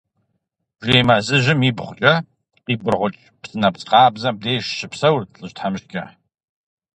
Бжей мэзыжьым ибгъукӀэ, къибыргъукӀ псынэпс къабзэм деж щыпсэурт лӀыжь тхьэмыщкӀэ.